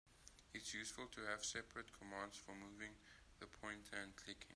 It's useful to have separate commands for moving the pointer and clicking.